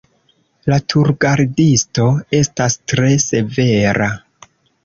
La turgardisto estas tre severa.